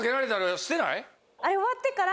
あれ終わってから。